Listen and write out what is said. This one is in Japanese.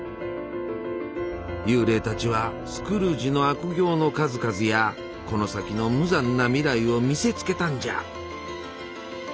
幽霊たちはスクルージの悪行の数々やこの先の無残な未来を見せつけたんじゃ。